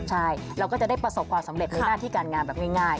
ใช่เราก็จะได้ประสบความสำเร็จในหน้าที่การงานแบบง่าย